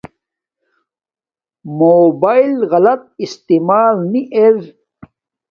موباݷل غلط استعمال نی ار